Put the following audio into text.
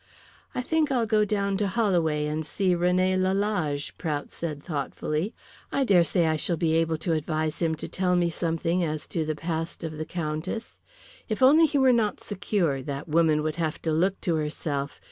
"I think I'll go down to Holloway and see René Lalage," Prout said thoughtfully. "I dare say I shall be able to advise him to tell me something as to the past of the Countess. If only he were not secure, that woman would have to look to herself.